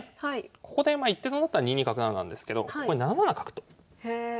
ここでまあ一手損だったら２二角成なんですけどここで７七角とへえ。